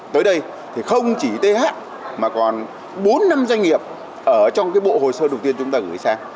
tới đây thì không chỉ th mà còn bốn năm doanh nghiệp ở trong cái bộ hồ sơ đầu tiên chúng ta gửi sang